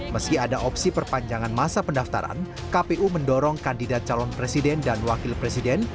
meski ada opsi perpanjangan masa pendaftaran kpu mendorong kandidat calon presiden dan wakil presiden